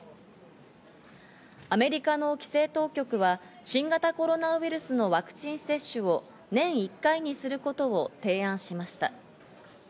アメリカの規制当局は新型コロナウイルスのワクチン接種を年１回にすることを提案しました。